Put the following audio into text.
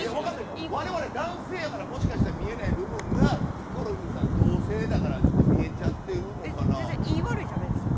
我々は男性やからもしかして、みえない部分がヒコロヒーさんは同性だから見えちゃってるんですかね。